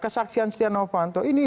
kesaksian setiara fanto ini